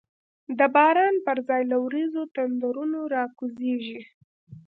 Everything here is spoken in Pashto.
د باران پر ځای له وریځو، تندرونه راکوزیږی